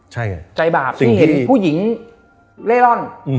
ใจบาปที่เห็นผู้หญิงเล่อร่อน